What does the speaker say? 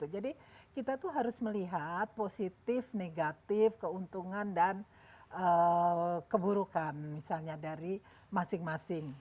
jadi kita itu harus melihat positif negatif keuntungan dan keburukan misalnya dari masing masing